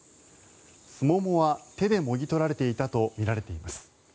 スモモは手でもぎ取られていたとみられています。